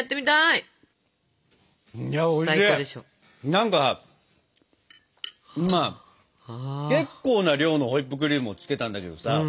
何か今結構な量のホイップクリームを付けたんだけどさ